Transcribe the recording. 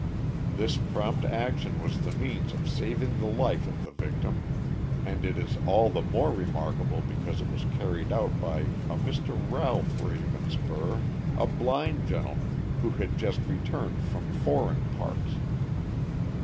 "'This prompt action was the means of saving the life of the victim, and it is all the more remarkable because it was carried out by a Mr. Ralph Ravenspur, a blind gentleman, who had just returned from foreign parts.'"